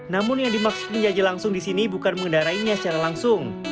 namun yang dimaksud menjajah langsung di sini bukan mengendarainya secara langsung